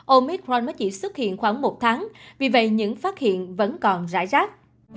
omicron mới chỉ xuất hiện khoảng một tháng vì vậy những phát hiện vẫn còn rải rác